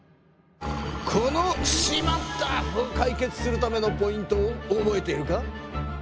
この「しまった！」を解決するためのポイントをおぼえているか？